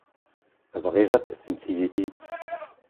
Bɣiɣ ad tasemt yid-i.